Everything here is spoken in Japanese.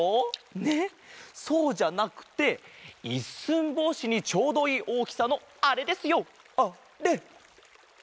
ねっそうじゃなくて一寸法師にちょうどいいおおきさのあれですよあれ！